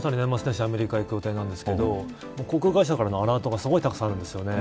アメリカに行く予定なんですけど航空会社からのアラートがすごいたくさんあるんです。